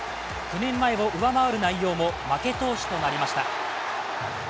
９年前を上回る内容も、負け投手となりました。